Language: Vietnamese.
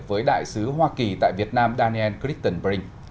với đại sứ hoa kỳ tại việt nam daniel crittenbrin